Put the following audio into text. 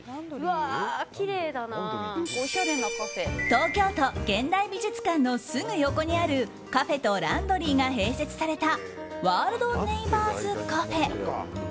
東京都現代美術館のすぐ横にあるカフェとランドリーが併設されたワールドネイバーズカフェ。